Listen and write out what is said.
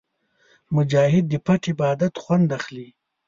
مجاهد د پټ عبادت خوند اخلي.